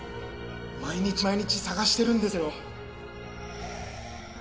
毎日毎日捜してるんですけど。